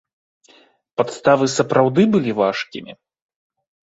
Падставы сапраўды былі важкімі?